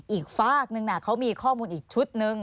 อีกฝากนึงเขามีข้อมูลอีกชุดนึง